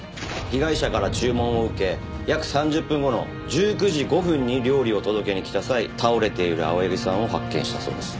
被害者から注文を受け約３０分後の１９時５分に料理を届けに来た際倒れている青柳さんを発見したそうです。